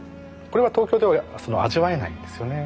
これは東京では味わえないんですよね。